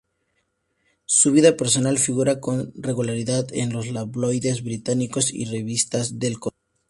Su vida personal figura con regularidad en los tabloides británicos y revistas del corazón.